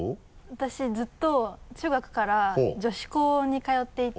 私ずっと中学から女子校に通っていて。